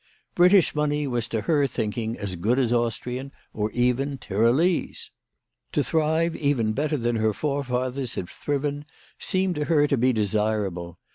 British money was to her thinking as good as Austrian, or even Tyrolese. To thrive even better than her forefathers had thriven seemed to her to be desirable.